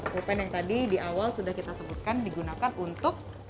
pulpen yang tadi di awal sudah kita sebutkan digunakan untuk